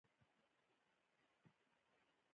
چرګان د افغانستان د موسم د بدلون سبب کېږي.